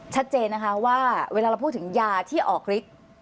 ชัดเจนนะคะว่าเวลาเราพูดถึงยาที่ออกฤทธิ์